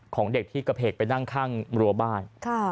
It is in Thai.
ของเด็กที่กระเพกไปนั่งข้างรัวบ้าน